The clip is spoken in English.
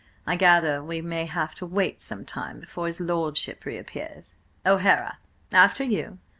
"I gather we may have to wait some time before his lordship reappears. O'Hara, after you!"